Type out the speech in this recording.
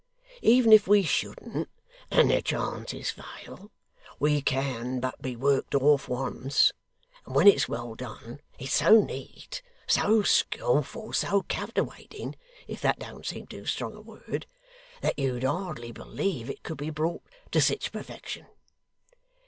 Even if we shouldn't, and the chances fail, we can but be worked off once: and when it's well done, it's so neat, so skilful, so captiwating, if that don't seem too strong a word, that you'd hardly believe it could be brought to sich perfection.